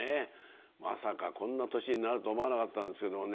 まさかこんな年になるとは思わなかったんですけどもね。